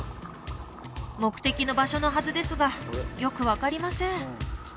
目的の場所のはずですがよく分かりません